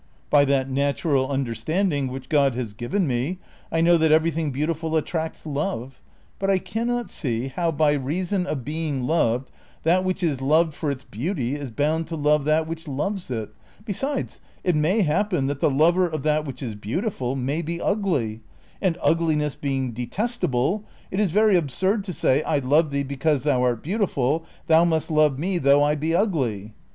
I>y that natural understanding which God has given me I know that everything beautiful attracts love, but I can not see how, by reason of being loved, that which is loved for its beauty is bound to love that which loves it ; besides, it may happen that the lover of that which is beautiful may be ugly, and ugliness being detestable, it is very absurd to say, ' I love thee because thou art beautiful, thou must love me though I be ngiy.'